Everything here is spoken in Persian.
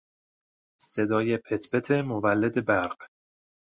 صدای پت پت مولد برق